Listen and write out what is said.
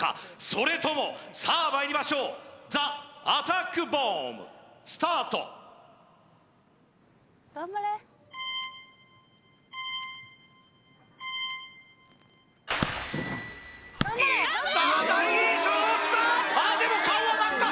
それともさあまいりましょうザ・アタックボムスタートいった！